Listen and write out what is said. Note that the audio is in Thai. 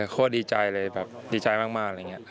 ข้อดีใจเลยแบบดีใจมากอะไรอย่างนี้